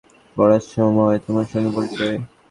সেই KG one থেকে three একসঙ্গে পড়ার সময় তোমার সঙ্গে পরিচয়।